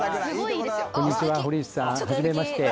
こんにちは、堀内さん。はじめまして。